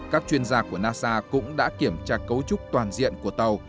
các chuyên gia của nasa cũng đã kiểm tra cấu trúc toàn diện của tàu